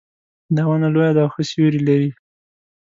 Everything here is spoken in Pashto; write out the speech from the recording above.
دا ونه لویه ده او ښه سیوري لري